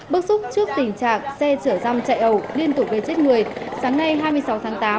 bức xúc trước tình trạng xe chở răng chạy ẩu liên tục gây chết người sáng nay hai mươi sáu tháng tám